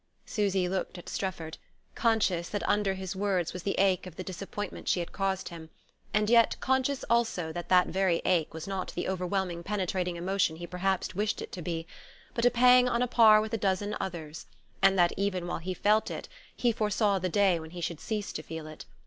Susy looked at Strefford, conscious that under his words was the ache of the disappointment she had caused him; and yet conscious also that that very ache was not the overwhelming penetrating emotion he perhaps wished it to be, but a pang on a par with a dozen others; and that even while he felt it he foresaw the day when he should cease to feel it.